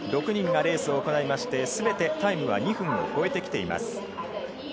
６人がレースを行いまして全てタイムは２分を超えてきています。